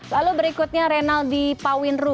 lalu berikutnya renaldi pawinru